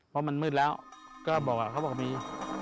เพราะมันมืดแล้วก็เขาบอกมี